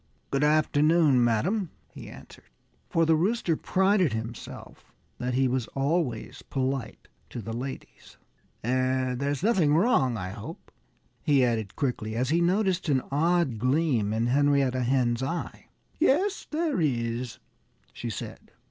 "Good afternoon, madam!" he answered for the Rooster prided himself that he was always polite to the ladies. "Er there's nothing wrong, I hope," he added quickly as he noticed an odd gleam in Henrietta Hen's eye. "Yes there is," she said.